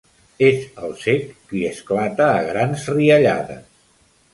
És el cec qui esclata a grans riallades.